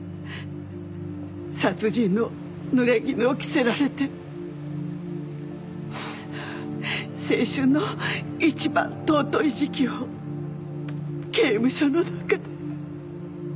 殺人のぬれぎぬを着せられて青春の一番貴い時期を刑務所の中で。